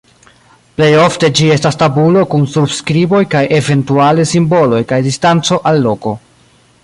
Plej ofte ĝi estas tabulo kun surskriboj kaj eventuale simboloj kaj distanco al loko.